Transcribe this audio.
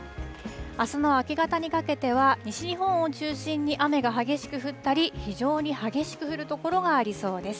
あすの明け方にかけては、西日本を中心に雨が激しく降ったり、非常に激しく降る所がありそうです。